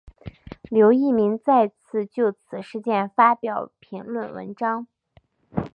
刘逸明再次就此事件发表评论文章。